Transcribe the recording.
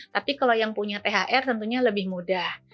tapi kalau yang punya thr tentunya lebih mudah